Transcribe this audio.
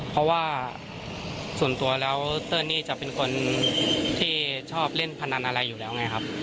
เพราะว่าส่วนตัวแล้วเติ้ลนี่จะเป็นคนที่ชอบเล่นพนันอะไรอยู่แล้วไงครับ